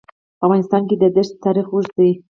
په افغانستان کې د دښتې تاریخ اوږد دی.